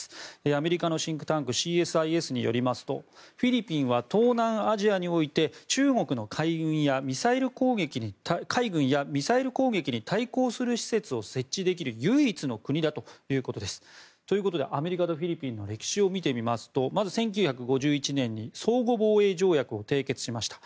アメリカのシンクタンクＣＳＩＳによりますとフィリピンは東南アジアにおいて中国の海軍やミサイル攻撃に対抗する施設を設置できる唯一の国だということです。ということでアメリカとフィリピンの歴史を見てみますとまず、１９５１年に相互防衛条約を締結しました。